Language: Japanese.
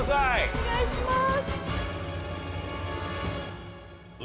お願いします。